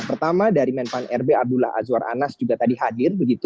pertama dari menpan rb abdullah azwar anas juga tadi hadir